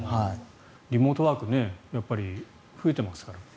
リモートワークが増えていますからね。